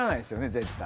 絶対。